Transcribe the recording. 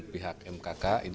pihak mkk ini kita menargetkan